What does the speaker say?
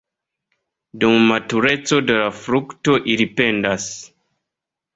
Dum matureco de la frukto ili pendas.